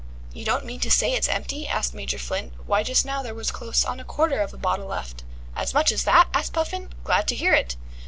"You don't mean to say it's empty?" asked Major Flint. "Why just now there was close on a quarter of a bottle left." "As much as that?" asked Puffin, "Glad to hear it."